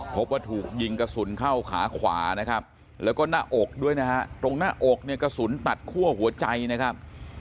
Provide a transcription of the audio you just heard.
พบว่าถูกยิงกระสุนเข้าขาขวานะครับแล้วก็หน้าอกด้วยนะฮะตรงหน้าอกเนี่ยกระสุนตัดคั่วหัวใจนะครับ